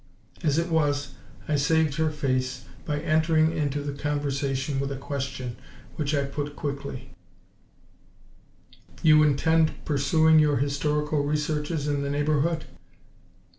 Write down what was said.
As it was, I saved her face by entering into the conversation with a question, which I put quickly: "You intend pursuing your historical researches in the neighborhood?"